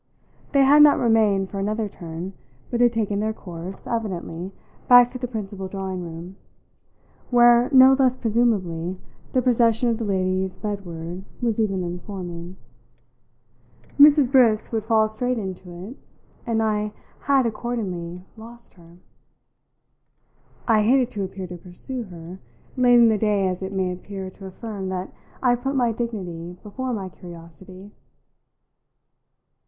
They had not remained for another turn, but had taken their course, evidently, back to the principal drawing room, where, no less presumably, the procession of the ladies bedward was even then forming. Mrs. Briss would fall straight into it, and I had accordingly lost her. I hated to appear to pursue her, late in the day as it may appear to affirm that I put my dignity before my curiosity.